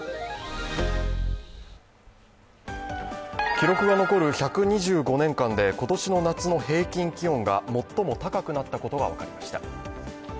記録が残る１２５年間で今年の夏の平均気温が最も高くなったことが分かりました。